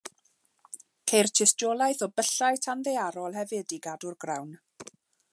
Ceir tystiolaeth o byllau tanddaearol hefyd i gadw'r grawn.